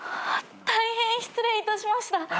大変失礼いたしました。